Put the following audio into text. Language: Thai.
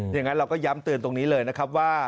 อย่างนั้นเราก็ย้ำเตือนตรงนี้เลยนะครับว่า